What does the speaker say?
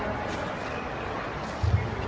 มีหรอ